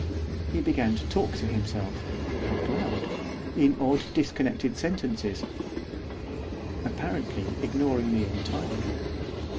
He began to talk to himself, out loud, in odd disconnected sentences, apparently ignoring me entirely.